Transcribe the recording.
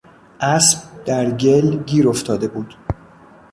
اسب در گل گیر افتاده بود.